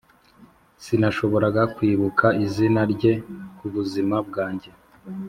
sinashoboraga kwibuka izina rye kubuzima bwanjye.